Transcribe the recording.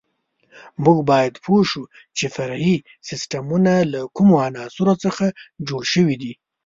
موږ باید پوه شو چې فرعي سیسټمونه له کومو عناصرو څخه جوړ شوي دي.